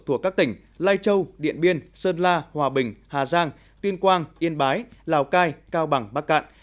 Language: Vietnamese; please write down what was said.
thuộc các tỉnh lai châu điện biên sơn la hòa bình hà giang tuyên quang yên bái lào cai cao bằng bắc cạn